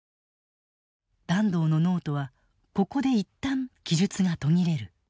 團藤のノートはここで一旦記述が途切れる。